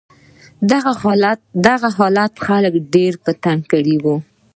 دغه حالت خلک ډېر په تنګ کړي و.